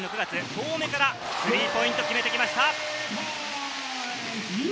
遠目からスリーポイントを決めてきました。